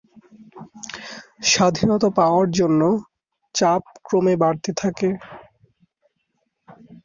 স্বাধীনতা পাওয়ার জন্য চাপ ক্রমে বাড়তে থাকে।